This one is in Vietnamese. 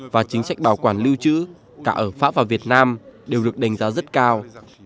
và chính sách bảo quản liêu chữ cả ở pháp và việt nam đều được đánh giá rất cao